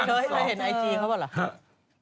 เผื่อให้เห็นไอจีนเขาบ่อยหรือ